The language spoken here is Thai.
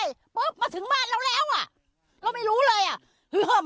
ใช่ปุ๊บมาถึงบ้านเราแล้วอ่ะเราไม่รู้เลยอ่ะ